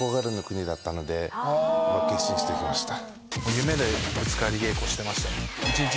決心して来ました。